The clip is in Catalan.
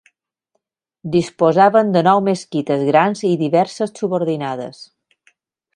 Disposaven de nou mesquites grans i diverses subordinades.